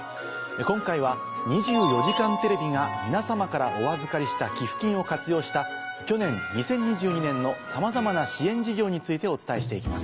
今回は『２４時間テレビ』が皆さまからお預かりした寄付金を活用した去年２０２２年のさまざまな支援事業についてお伝えしていきます。